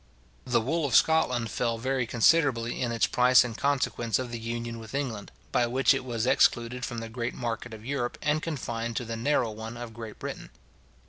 The wool of Scotland fell very considerably in its price in consequence of the union with England, by which it was excluded from the great market of Europe, and confined to the narrow one of Great Britain.